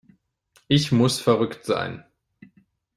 Ich muss verrückt sein.